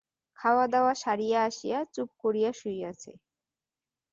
খাওয়া-দাওয়া সারিয়া আসিয়া চুপ করিয়া শুইয়াছে।